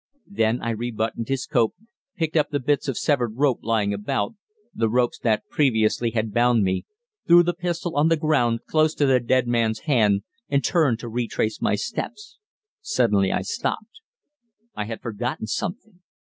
Then I rebuttoned his coat, picked up the bits of severed rope lying about the ropes that previously had bound me threw the pistol on to the ground close to the dead man's hand, and turned to retrace my steps. Suddenly I stopped. I had forgotten something.